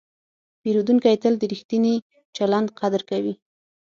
پیرودونکی تل د ریښتیني چلند قدر کوي.